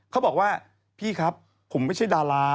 เขาบอกว่าพี่ครับผมไม่ใช่ดารา